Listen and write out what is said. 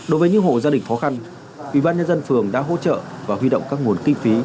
đối với những hộ gia đình khó khăn ủy ban nhân dân phường đã hỗ trợ và huy động các nguồn kinh phí